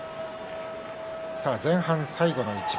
前半最後の一番。